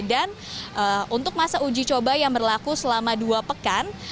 dan untuk masa uji coba yang berlaku selama dua pekan